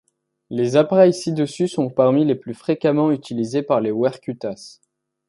Les appareils ci-dessus sont parmi les plus fréquemment utilisés par les Werskutas.